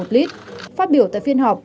một lít phát biểu tại phiên họp